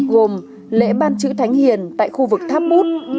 gồm lễ ban chữ thánh hiền tại khu vực tháp bút